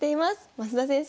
増田先生